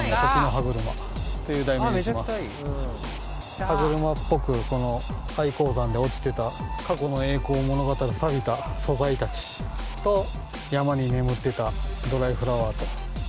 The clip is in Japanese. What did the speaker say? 歯車っぽく、廃鉱山に落ちてた過去の栄光を物語るさびた素材たちと、山に眠ってたドライフラワーと。